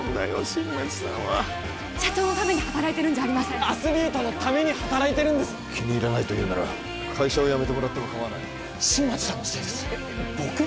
新町さんは社長のために働いてるんじゃありませんアスリートのために働いてるんです気に入らないというなら会社を辞めてもらっても構わない新町さんのせいですえっ僕？